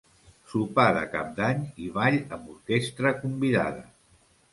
Sopar de Cap d'Any i ball amb orquestra convidada.